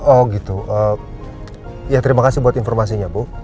oh gitu ya terima kasih buat informasinya bu